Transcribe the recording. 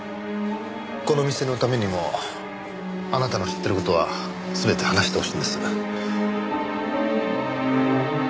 この店のためにもあなたの知ってる事は全て話してほしいんです。